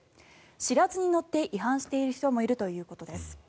知らずに乗って違反している人もいるということです。